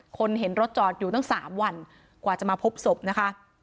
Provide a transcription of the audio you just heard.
คนเห็นรถจอดอยู่ตั้ง๓วันกว่าจะมาพบศพนะคะ